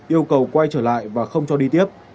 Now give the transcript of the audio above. yêu cầu quay trở lại và không cho đi tiếp